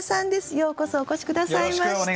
ようこそお越し下さいました。